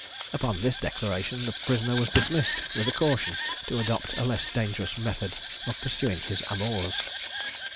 Upon this declaration, the prisoner was dismissed, with a caution to adopt a less dangerous method of pursuing his amours.